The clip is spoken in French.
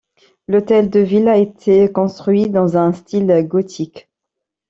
L'hôtel de ville a été construit dans un style gothique.